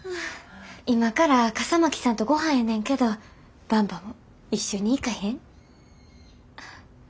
今から笠巻さんとごはんやねんけどばんばも一緒に行かへん？